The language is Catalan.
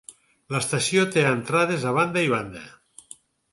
L'estació té entrades a banda i banda.